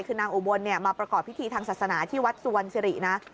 คือนางอุบลมาประกอบพิธีทางศาสนาที่วัดสุวรรณสิรินะ